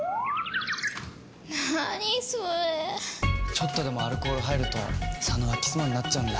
ちょっとでもアルコール入ると佐野はキス魔になっちゃうんだ。